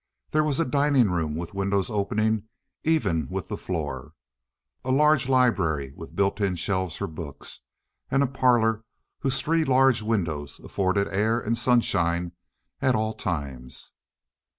There was a dining room with windows opening even with the floor, a large library with built in shelves for books, and a parlor whose three large windows afforded air and sunshine at all times.